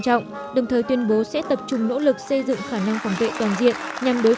trọng đồng thời tuyên bố sẽ tập trung nỗ lực xây dựng khả năng phòng vệ toàn diện nhằm đối